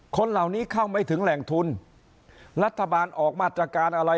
คนเหล่านี้เข้าไม่ถึงแหล่งทุนรัฐบาลออกมาตรการอะไร